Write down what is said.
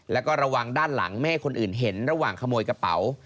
แล้วก็ระวังด้านหลังไม่ให้คนอื่นเห็นระหว่างขโมยกระเป๋า